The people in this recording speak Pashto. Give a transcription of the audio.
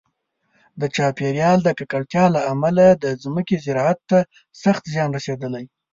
د چاپیریال د ککړتیا له امله د ځمکې زراعت ته سخت زیان رسېدلی.